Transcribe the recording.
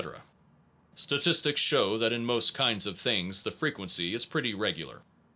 Statistics show that in most kinds of thing the frequency is pretty regular.